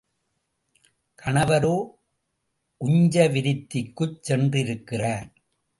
கணவரோ உஞ்சவிருத்திக்குச் சென்றிருக்கிறார்.